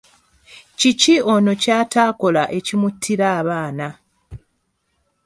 Kiki ono kyatakola ekimuttira abaana?